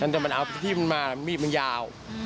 อันนั้นมันเอาไปที่มันมามีดมันยาว